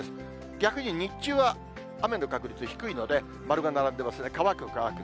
逆に日中は雨の確率低いので、丸が並んでますね、乾く、乾く。